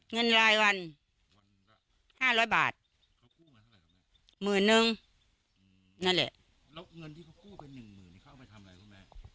เงินรายวันห้าร้อยบาทเมื่อนึงนั่นแหละแล้วเงินที่เขากู้ไปหนึ่งหมื่นนี่เขาเอาไปทำอะไรครับแม่